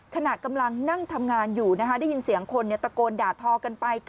ขณะกำลังนั่งทำงานอยู่ได้ยินเสียงคนตะโกนด่าทอกันไป